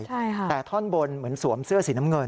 ใช่ค่ะแต่ท่อนบนเหมือนสวมเสื้อสีน้ำเงิน